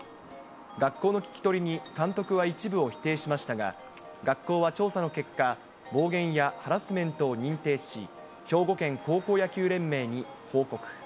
学校の聞き取りに監督は一部を否定しましたが、学校は調査の結果、暴言やハラスメントを認定し、兵庫県高校野球連盟に報告。